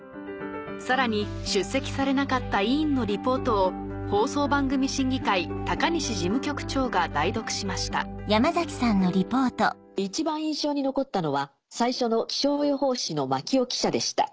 さらに出席されなかった委員のリポートを「放送番組審議会」鷹西事務局長が代読しました「一番印象に残ったのは最初の気象予報士の牧尾記者でした。